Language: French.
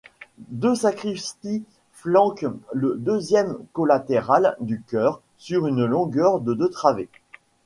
Deux sacristies flanquent le deuxième collatéral du chœur sur une longueur de deux travées.